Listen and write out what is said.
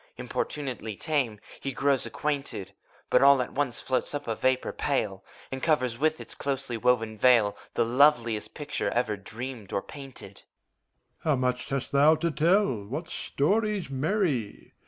Importunately tame: he grows acquainted. — But all at once floats up a vapor pale. And covers with its closely woven veil The loveliest picture ever dreamed or painted. MEPHISTOPHELES. How much hast thou to tell, — ^what stories merry!